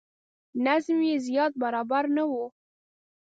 نظم یې زیات برابر نه و.